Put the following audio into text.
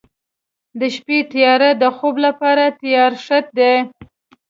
د شپې تیاره د خوب لپاره تیارښت دی.